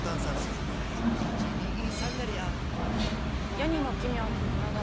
『世にも奇妙な物語